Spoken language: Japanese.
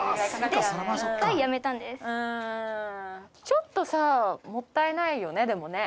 ちょっとさもったいないよねでもね。